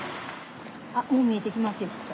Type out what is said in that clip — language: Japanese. あっもう見えてきますよきっと。